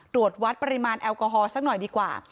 ตรวจวัดปริมาณแอลกอฮอลสักหน่อยดีกว่า